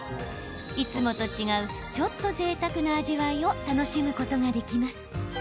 いつもと違うちょっとぜいたくな味わいを楽しむことができます。